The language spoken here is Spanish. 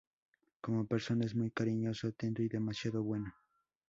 Como persona, es muy cariñoso, atento y demasiado bueno.